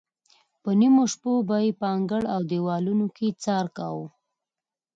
په نیمو شپو به یې په انګړ او دیوالونو کې څار کاوه.